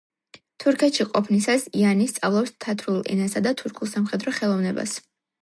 თურქეთში ყოფნისას იანი სწავლობს თათრულ ენასა და თურქულ სამხედრო ხელოვნებას.